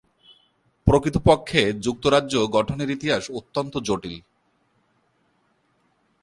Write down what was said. প্রকৃতপক্ষে যুক্তরাজ্য গঠনের ইতিহাস অত্যন্ত জটিল।